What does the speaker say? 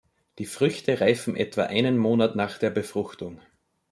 Die Früchte reifen etwa einen Monat nach der Befruchtung.